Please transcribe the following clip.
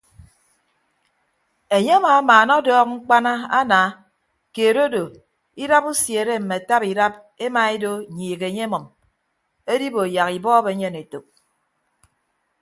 Enye amamaana ọdọọk mkpana ana keed odo idap usiere mme ataba idap emaedo nyiik enye emʌm edibo yak ibọọb enyen etәk.